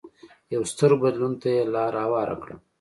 یو ستر بدلون ته یې لار هواره کړه.